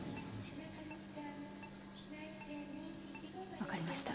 わかりました。